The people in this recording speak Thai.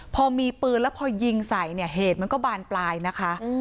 พอมีปืนแล้วพอยิงใส่เนี่ยเหตุมันก็บานปลายนะคะ